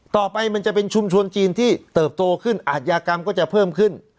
มันจะเป็นชุมชนจีนที่เติบโตขึ้นอาทยากรรมก็จะเพิ่มขึ้น